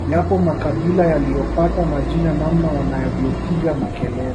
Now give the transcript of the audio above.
Yapo makabila yaliyopata majina namna wanavyopiga makelele